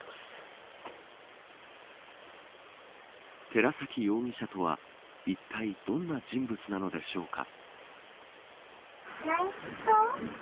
寺崎容疑者とはいったい、どんな人物なのでしょうか。